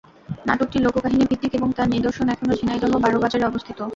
নাটকটি লোক কাহিনি ভিত্তিক এবং তার নিদর্শন এখনো ঝিনাইদহ বার বাজারে অবস্থিত।